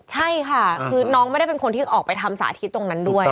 ใช่ค่ะคือน้องไม่ได้เป็นคนที่ออกไปทำสาธิตตรงนั้นด้วย